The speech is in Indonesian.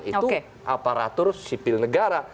itu aparatur sipil negara